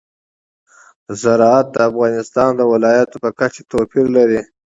زراعت د افغانستان د ولایاتو په کچه توپیر لري.